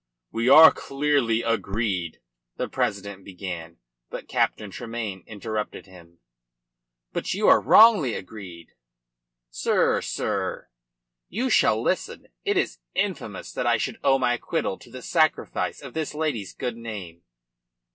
"We are clearly agreed," the president began, but Captain Tremayne interrupted him. "But you are wrongly agreed." "Sir, sir!" "You shall listen. It is infamous that I should owe my acquittal to the sacrifice of this lady's good name."